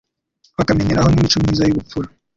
bakamenyeraho n'imco myiza y'ubupfura